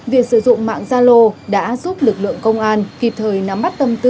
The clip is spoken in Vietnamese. việc sử dụng mạng sa lô đã giúp lực lượng công an kịp thời nắm mắt tâm tư